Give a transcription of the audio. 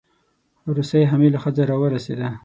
روسۍ حامله ښځه راورسېده.